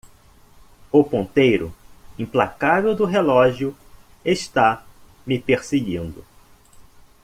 O ponteiro implacável do relógio está me perseguindo